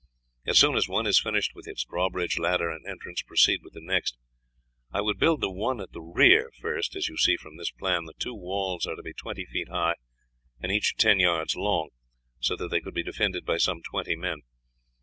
As soon as one is finished, with its drawbridge, ladder, and entrance, proceed with the next. I would build the one at the rear first. As you see from this plan, the two walls are to be twenty feet high and each ten yards long, so that they could be defended by some twenty men.